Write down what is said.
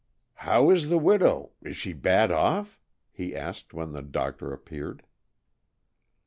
"How is the widow? Is she bad off?" he asked when the doctor appeared.